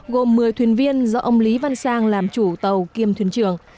gồm một mươi thuyền viên do ông lý văn sang làm chủ tàu kiêm thuyền trường